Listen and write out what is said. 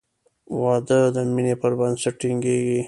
• واده د مینې پر بنسټ ټینګېږي.